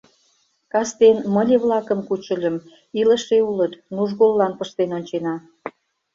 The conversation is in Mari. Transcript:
— Кастен мыле-влакым кучыльым, илыше улыт, нужголлан пыштен ончена.